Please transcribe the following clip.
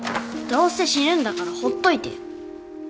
どうせ死ぬんだからほっといてよ。